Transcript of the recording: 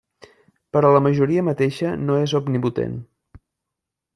Però la majoria mateixa no és omnipotent.